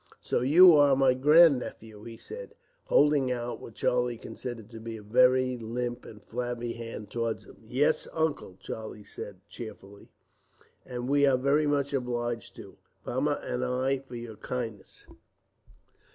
"So you are my grandnephew," he said, holding out what Charlie considered to be a very limp and flabby hand towards him. "Yes, Uncle," Charlie said cheerfully; "and we are very much obliged to you, Mamma and I, for your kindness."